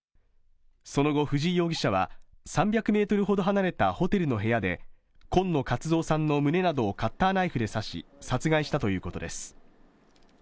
その後、藤井容疑者は３００ｍほど離れたホテルの部屋で今野勝蔵さんの胸などをカッターナイフで刺し、殺害したということです。